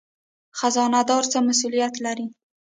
خزانه دار څه مسوولیت لري؟